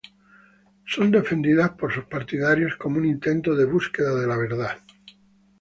Son defendidas por sus partidarios como un intento de búsqueda de la verdad.